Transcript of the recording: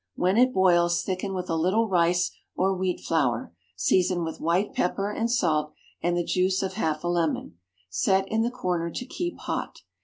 When it boils, thicken with a little rice or wheat flour, season with white pepper and salt, and the juice of half a lemon. Set in the corner to keep hot.